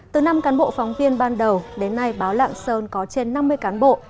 từ năm cán bộ phóng viên ban đầu đến nay báo lạng sơn có trên năm mươi cán bộ